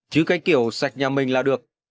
chứ cái kiểu sạch nhà mình là được